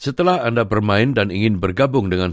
setelah anda bermain dan ingin bergabung dengan